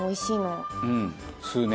うん吸うね。